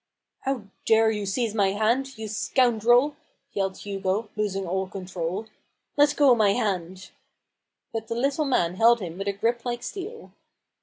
" How dare you seize my hand ! you scoundrel !" yelled Hugo, losing all control. " Let go my hand." But the little man held him with a grip like steel.